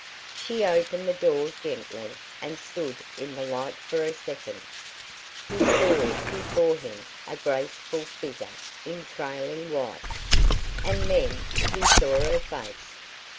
She opened the door gently and stood in the light for a second. He saw before him a graceful figure in trailing white, and then he saw her face.